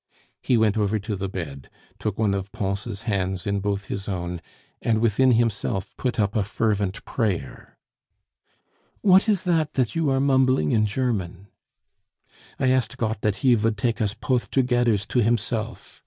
He went over to the bed, took one of Pons' hands in both his own, and within himself put up a fervent prayer. "What is that that you are mumbling in German?" "I asked Gott dat He vould take us poth togedders to Himself!"